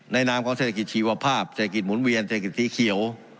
นามของเศรษฐกิจชีวภาพเศรษฐกิจหมุนเวียนเศรษฐกิจสีเขียว